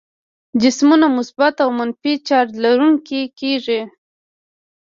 جسمونه مثبت او منفي چارج لرونکي کیږي.